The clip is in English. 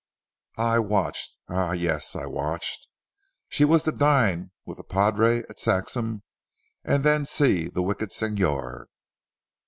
I watched eh! yes, I watched. She was to dine with the padre at Saxham, and then see the wicked Signor."